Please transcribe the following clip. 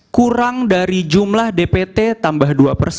kurang dari jumlah dpt tambah dua persen